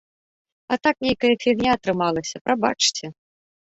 А так нейкая фігня атрымалася, прабачце.